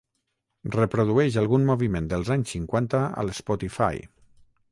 Reprodueix algun moviment dels anys cinquanta a l'Spotify